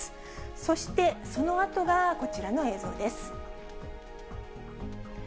そして、そのあとがこちらの映像です。